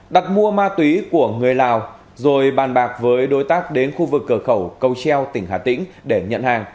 đặt mua ma túy của người lào rồi bàn bạc với đối tác đến khu vực cửa khẩu cầu treo tỉnh hà tĩnh để nhận hàng